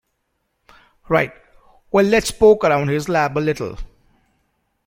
Right, well let's poke around his lab a little.